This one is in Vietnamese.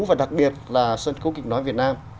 và đặc biệt là sân khấu kịch nói việt nam